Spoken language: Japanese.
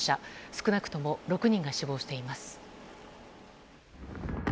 少なくとも６人が死亡しています。